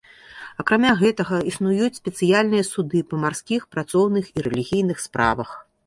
Акрамя гэтага існуюць спецыяльныя суды па марскіх, працоўных і рэлігійных справах.